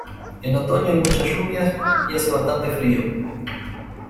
En otoño hay muchas lluvias y hace bastante frío.